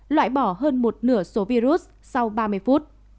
loại bỏ hơn một nửa số virus sau ba mươi phút